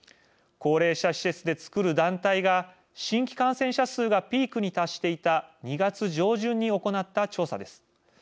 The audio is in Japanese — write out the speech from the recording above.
高齢者施設で作る団体が新規感染者数がピークに達していた２月上旬に行った調査です。